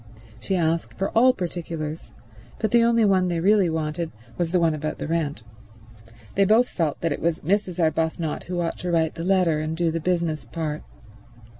She asked for all particulars, but the only one they really wanted was the one about the rent. They both felt that it was Mrs. Arbuthnot who ought to write the letter and do the business part.